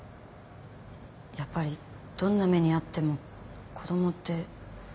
やっぱりどんな目に遭っても子供って。